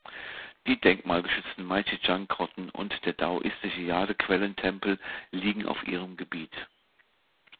Die denkmalgeschützten Maijishan-Grotten und der daoistische Jadequellen-Tempel liegen auf ihrem Gebiet.